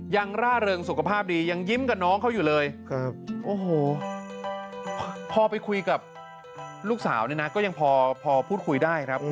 ร่าเริงสุขภาพดียังยิ้มกับน้องเขาอยู่เลยโอ้โหพอไปคุยกับลูกสาวเนี่ยนะก็ยังพอพูดคุยได้ครับ